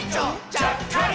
ちゃっかりポン！」